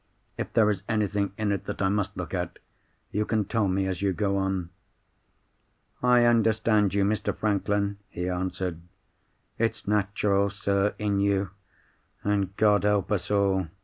"If there is anything in it that I must look at, you can tell me as you go on." "I understand you, Mr. Franklin," he answered. "It's natural, sir, in you. And, God help us all!"